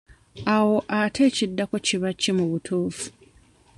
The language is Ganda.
Awo ate ekiddako kiba ki mu butuufu?